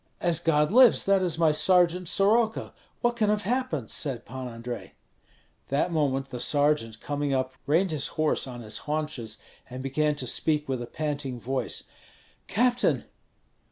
"As God lives, that is my sergeant Soroka; what can have happened?" said Pan Andrei. That moment the sergeant coming up, reined his horse on his haunches, and began to speak with a panting voice: "Captain!